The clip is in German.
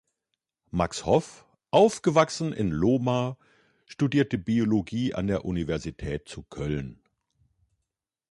Max Hoff, aufgewachsen in Lohmar, studierte Biologie an der Universität zu Köln.